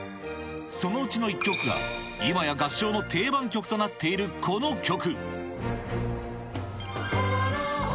そのうちの１曲が、今や、合唱の定番曲となっている、この曲。